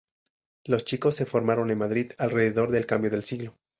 Los Chicos se formaron en Madrid alrededor del cambio de siglo.